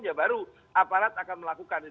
ya baru aparat akan melakukan itu